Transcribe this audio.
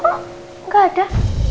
tamunya kok nggak ada